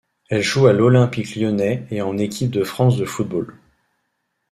Elle joue à l'Olympique lyonnais et en équipe de France de football.